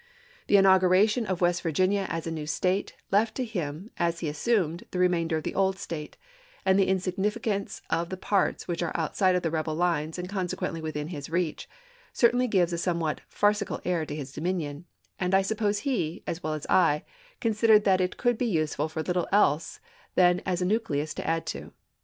The inauguration of West Virginia as a new State left to him, as he assumed, the remainder of the old State ; and the insignificance of the parts which are outside of the rebel lines and consequently within his reach, cer tainly gives a somewhat farcical air to his dominion ; and I suppose he, as well as I, has considered that it could be KECONSTKUCTION 443 useful for little else than as a nucleus to add to.